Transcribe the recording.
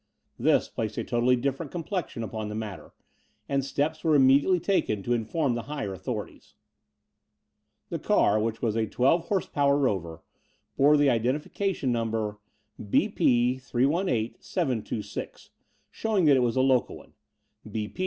This placed a totally diflferent complexion upon the matter: and steps were immediately taken to in form the higher authorities. The car, which was a 12 h.p. Rover, bore the identification number "B.P. 318726," showing that it was a local one, '*B.P."